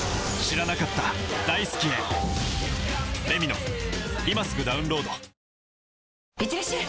ハローいってらっしゃい！